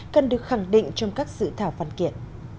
cần được khẳng định trong các dự thảo văn kiện